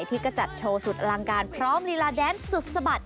ที่ก็จัดโชว์สุดอลังการพร้อมลีลาแดนสุดสะบัด